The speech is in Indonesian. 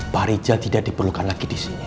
pak rijal tidak diperlukan lagi di sini